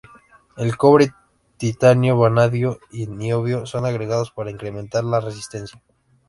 El cobre, titanio, vanadio y niobio son agregados para incrementar la resistencia.